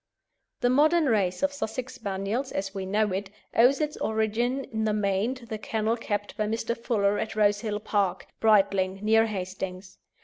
The modern race of Sussex Spaniels, as we know it, owes its origin in the main to the kennel kept by Mr. Fuller at Rosehill Park, Brightling, near Hastings.